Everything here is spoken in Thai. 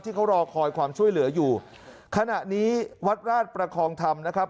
ที่เขารอคอยความช่วยเหลืออยู่ขณะนี้วัดราชประคองธรรมนะครับ